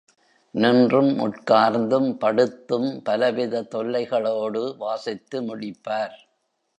நின்றும், உட்கார்ந்தும், படுத்தும் பல வித தொல்லைகளோடு வாசித்து முடிப்பார்.